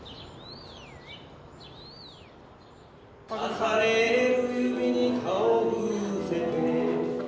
「さされる指に顔を伏せて」